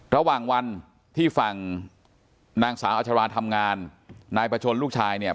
ระหว่างวันที่ฝั่งนางสาวอัชราทำงานนายประชนลูกชายเนี่ย